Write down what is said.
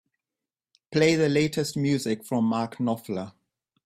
Play the latest music from Mark Knopfler.